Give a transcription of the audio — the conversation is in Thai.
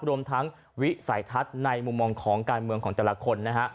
รวมทั้งวิสัยทัศน์ในมุมมองของการเมืองของแต่ละคนนะฮะ